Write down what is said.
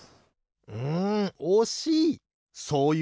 うんおしい！